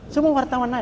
semua wartawan lain